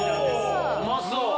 うまそう。